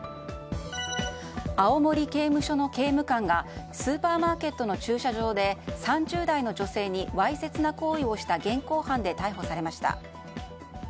青森刑務所の刑務官がスーパーマーケットの駐車場で３０代の女性にわいせつな行為をした現行犯で逮捕されました。